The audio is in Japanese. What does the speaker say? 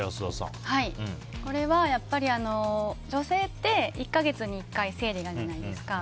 これはやっぱり女性って１か月に１回生理があるじゃないですか。